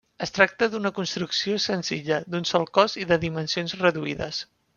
Es tracta d'una construcció senzilla, d'un sol cos i de dimensions reduïdes.